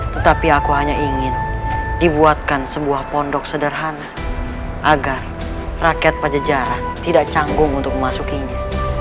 tetapi aku hanya ingin dibuatkan sebuah pondok sederhana agar rakyat pajejara tidak canggung untuk memasukinya